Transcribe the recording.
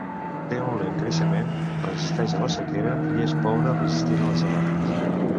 Té un lent creixement, resisteix a la sequera i és pobre resistint a les gelades.